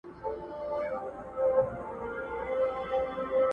په ژوندون اعتبار نسته یو تر بل سره جارېږی،